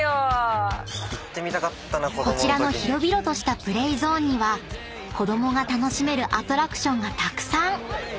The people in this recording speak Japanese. ［こちらの広々としたプレイゾーンには子供が楽しめるアトラクションがたくさん］